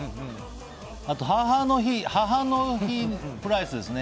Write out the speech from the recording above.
あと、母の日プライスですね。